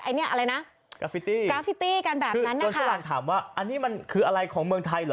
อะไรนะกราฟิตี้กันแบบนั้นนะคะคือจนเสียหลังถามว่าอันนี้มันคืออะไรของเมืองไทยเหรอ